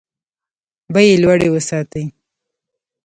بیې لوړې وساتي.